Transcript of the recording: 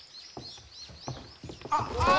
あっああ！